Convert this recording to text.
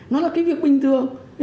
nó là cái việc bình thường